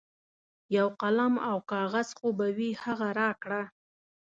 یو قلم او کاغذ خو به وي هغه راکړه.